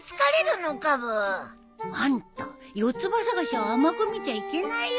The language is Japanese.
あんた四つ葉探しを甘く見ちゃいけないよ。